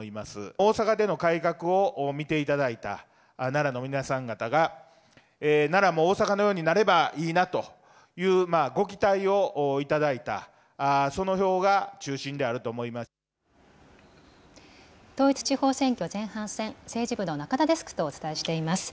大阪での改革を見ていただいた奈良の皆さん方が、奈良も大阪のようになればいいなというご期待をいただいた、その統一地方選挙前半戦、政治部の中田デスクとお伝えしています。